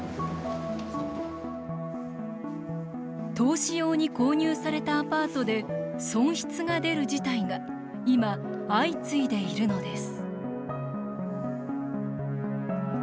投資用に購入されたアパートで損失が出る事態が今、相次いでいるのです。